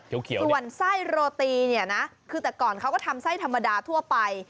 ส่วนไส้โรตีเนี่ยนะคือแต่ก่อนเขาก็ทำไส้ธรรมดาทั่วไป